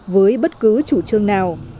với bất cứ chủ trương nào